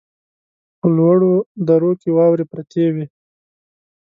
په لوړو درو کې واورې پرتې وې.